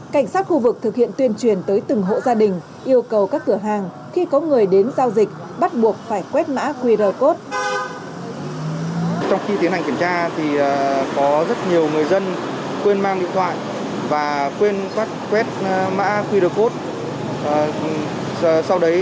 cảnh sát khu vực thực hiện tuyên truyền tới từng hộ gia đình yêu cầu các cửa hàng khi có người đến giao dịch bắt buộc phải quét mã qr code